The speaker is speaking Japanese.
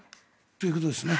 ということですね。